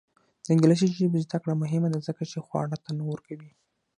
د انګلیسي ژبې زده کړه مهمه ده ځکه چې خواړه تنوع ورکوي.